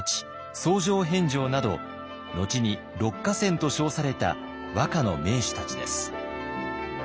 僧正遍昭など後に六歌仙と称された和歌の名手たちです。